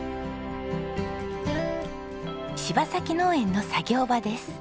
柴崎農園の作業場です。